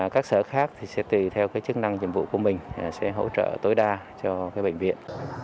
các sở khác tùy theo chức năng nhiệm vụ của mình sẽ hỗ trợ tối đa cho bệnh viện